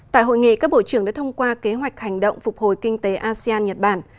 tại hội nghị các bộ trưởng đã thông qua kế hoạch hành động phục hồi kinh tế asean nhật bản